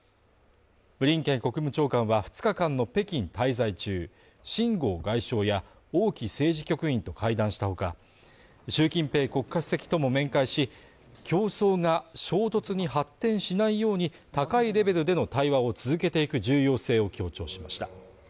ブリンケン国務長官は２日間の北京滞在中、秦剛外相や王毅政治局員と会談した他、習近平国家主席とも面会し、競争が衝突に発展しないように、高いレベルでの対話を続けていく重要性を強調しました。